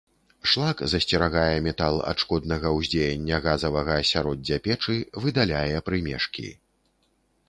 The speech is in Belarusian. Шлак засцерагае метал ад шкоднага ўздзеяння газавага асяроддзя печы, выдаляе прымешкі.